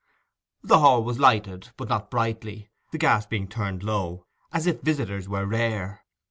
The hall was lighted, but not brightly, the gas being turned low, as if visitors were rare.